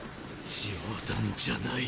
冗談じゃない。